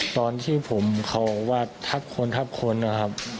ตอนที่ผมเขาว่าทักคนทักคนนะครับ